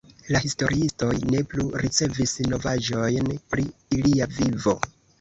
La historiistoj ne plu ricevis novaĵojn pri ilia vivo.